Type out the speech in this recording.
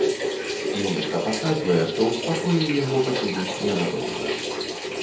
І нешта падказвае, што ў спакоі яго пакінуць ненадоўга.